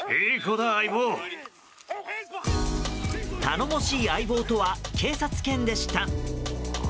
頼もしい相棒とは警察犬でした。